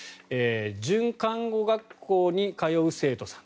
准看護学校に通う生徒さん。